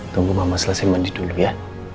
tunggu mama selesai mandi dulu ya